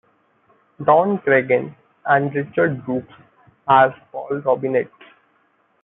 Don Cragen, and Richard Brooks as Paul Robinette.